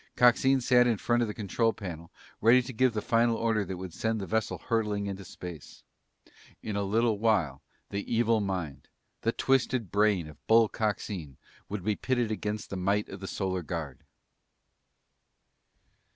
Coxine sat in front of the control panel, ready to give the final order that would send the vessel hurtling into space. In a little while, the evil mind, the twisted brain of Bull Coxine would be pitted against the might of the Solar Guard.